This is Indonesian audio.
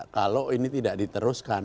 kalau ini tidak diteruskan